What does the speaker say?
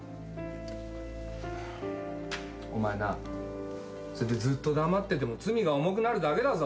お前なそうやってずっと黙ってても罪が重くなるだけだぞ。